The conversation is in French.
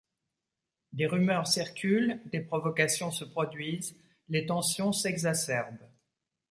Des rumeurs circulent, des provocations se produisent, les tensions s’exacerbent.